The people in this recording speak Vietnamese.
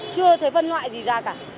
chưa thấy phân loại gì ra cả